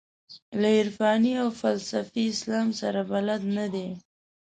له عرفاني او فلسفي اسلام سره بلد نه دي.